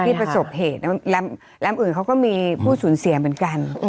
ประสบเหตุแรมอื่นเขาก็มีผู้สูญเสียเหมือนกัน